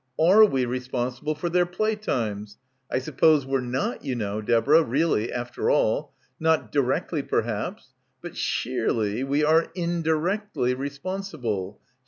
Are we responsible for their play times? I sup pose we're not, you know, Deborah, really after all. Not directly, perhaps. But sheerly we are indirectly responsible.